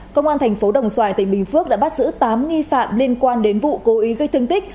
công an thành phố đồng xoài tỉnh bình phước đã bắt giữ tám nghi phạm liên quan đến vụ cố ý gây thương tích